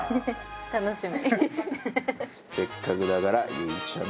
楽しみ！